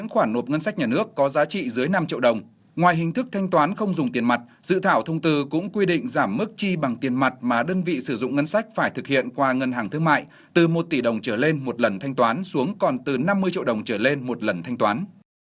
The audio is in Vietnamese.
ngoài hình thức thanh toán không dùng tiền mặt dự thảo thông tư cũng quy định giảm mức chi bằng tiền mặt mà đơn vị sử dụng ngân sách phải thực hiện qua ngân hàng thương mại từ một tỷ đồng trở lên một lần thanh toán xuống còn từ năm mươi triệu đồng trở lên một lần thanh toán